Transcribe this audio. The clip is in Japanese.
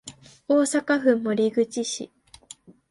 大阪府守口市